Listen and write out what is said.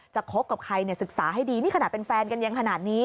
คบกับใครศึกษาให้ดีนี่ขนาดเป็นแฟนกันยังขนาดนี้